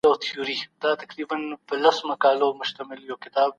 ډېر حقایق